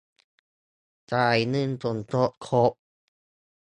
จ่ายเงินสมทบครบ